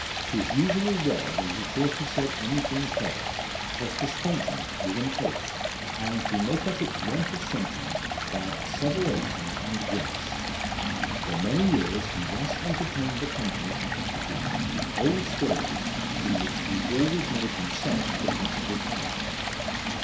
His usual wav, when he thought he said any thing clever, was to strengthen it with an oath, and to make up its want of sentiment by asseveration and grimace. For many years he thus entertained the company at the Coffee House with old stories, in which he always made himself the principal character.